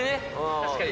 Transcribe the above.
確かに。